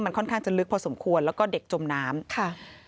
ค่อนข้างจะลึกพอสมควรแล้วก็เด็กจมน้ำค่ะ